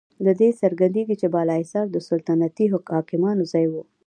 له دې څرګندیږي چې بالاحصار د سلطنتي حاکمانو ځای و.